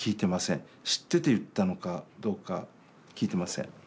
知ってて言ったのかどうか聞いてません。